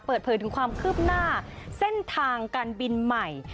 เปิดเผยถึงความคืบหน้าเส้นทางการบินใหม่